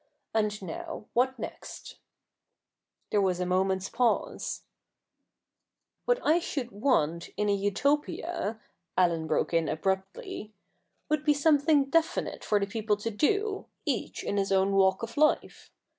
And now, what next ?' There was a moment's pause. 150 THE NEW REPUBLIC [bk. hi ' What I should want in a Utopia,' Allen broke in abruptly, ' would be something definite for the people to do, each in his own walk of life.